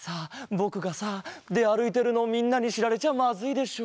ぼくがさであるいてるのをみんなにしられちゃまずいでしょう。